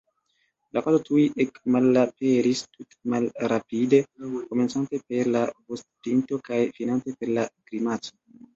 La kato tuj ekmalaperis tutmalrapide, komencante per la vostpinto kaj finante per la grimaco.